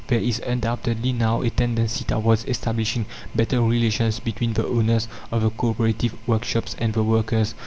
There is undoubtedly now a tendency towards establishing better relations between the owners of the co operative workshops and the workers.